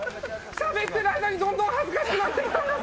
しゃべってないのにどんどん恥ずかしくなってきたんです。